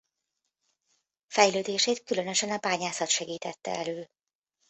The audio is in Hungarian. Fejlődését különösen a bányászat segítette elő.